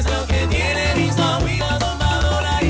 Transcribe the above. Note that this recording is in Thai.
โอ้โฮ